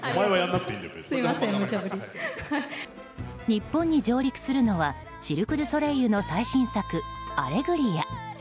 日本に上陸するのはシルク・ドゥ・ソレイユの最新作「アレグリア」。